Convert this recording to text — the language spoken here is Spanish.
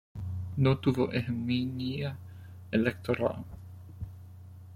No tuvo hegemonía electoral.